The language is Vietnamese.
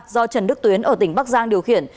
do trần đức tuyến ở tỉnh bắc giang điều khiển